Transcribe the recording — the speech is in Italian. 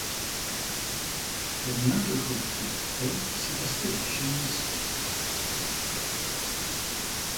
Terminato il conflitto, si trasferisce in Missouri.